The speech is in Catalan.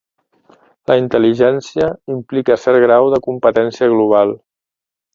La intel·ligència implica cert grau de competència global.